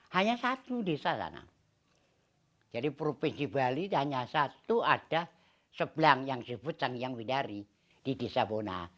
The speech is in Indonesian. hanya satu desa sana jadi provinsi bali itu hanya satu ada sebelang yang disebut cangyang widari di desa bona